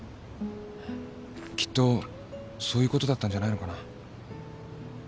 きっとそういうことだったんじゃないのかな。